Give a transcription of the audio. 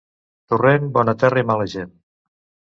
Torrent, bona terra i mala gent.